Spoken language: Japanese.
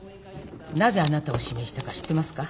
なぜあなたを指名したか知ってますか？